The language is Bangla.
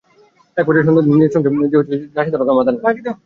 একপর্যায়ে সন্তানদের নিজের সঙ্গে নিয়ে যেতে চাইলে রাশিদা বেগম বাধা দেন।